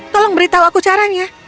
tolong beritahu aku caranya